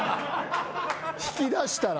引きだしたら。